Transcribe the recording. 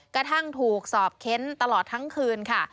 กระทั่งถูกสอบเค้นตลอดทั้งคืนค่ะ